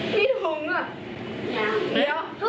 ที่ทงอ่ะ